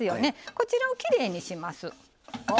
こちらをきれいにします。